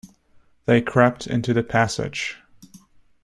They crept into the passage.